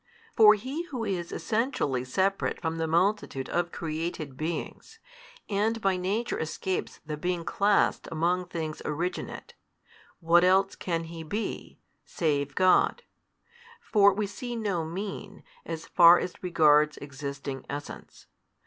For He Who is Essentially separate from the multitude of created beings, and by Nature escapes the being classed among things originate, what else can He be, save God? For we see no mean, as far as regards existing essence.